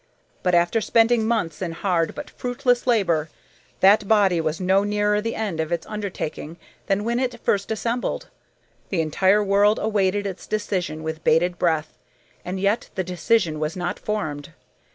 But, after spending months in hard but fruitless labor, that body was no nearer the end of its undertaking than when it first assembled. The entire world awaited its decision with bated breath, and yet the decision was not formed.